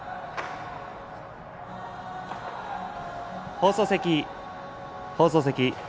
放送席、放送席。